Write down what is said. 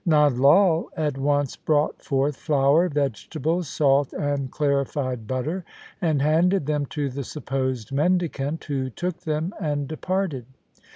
Nand Lai at once brought forth flour, vegetables, salt, and clari fied butter, and handed them to the supposed mendicant, who took them and departed.